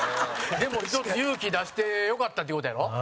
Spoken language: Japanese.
でも、勇気出してよかったっていう事やろ？